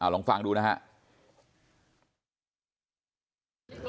ลองฟังดูนะครับ